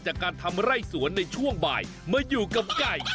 จากการทำไร่สวนในช่วงบ่ายมาอยู่กับไก่